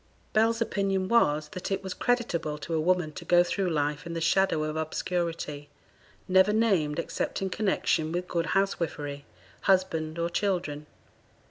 Bell's opinion was, that it was creditable to a woman to go through life in the shadow of obscurity, never named except in connexion with good housewifery, husband, or children.